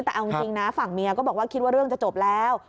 แต่เอาจริงนะฝั่งเมียก็บอกว่าคิดว่าเรื่องจะจบแล้ว